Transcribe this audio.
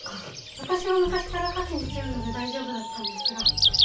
私は昔からカキに強いので大丈夫だったんですがあとは全員。